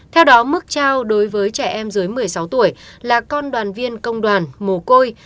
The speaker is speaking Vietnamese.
theo đó mức trao đối với trẻ em dưới một mươi sáu tuổi là con đoàn viên công đoàn mồ côi